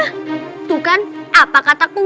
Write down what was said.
itu kan apa kataku